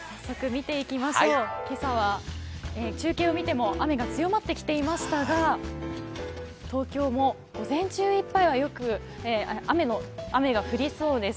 今朝は中継を見ても雨が強まってきていましたが東京も午前中いっぱいは雨が降りそうです。